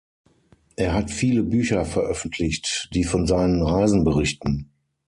Er hat viele Bücher veröffentlicht, die von seinen Reisen berichten.